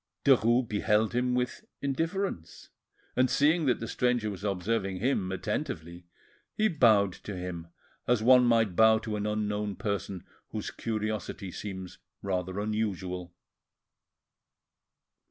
Derues beheld him with indifference, and seeing that the stranger was observing him attentively, he bowed to him as one might bow to an unknown person whose curiosity seems rather unusual.